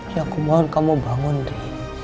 ya aku mohon kamu bangun ri